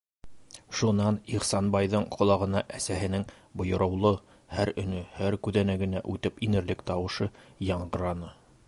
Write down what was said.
Шунан Ихсанбайҙың ҡолағына әсәһенең бойороулы, һәр өнө һәр күҙәнәгенә үтеп инерлек тауышы яңғыраны: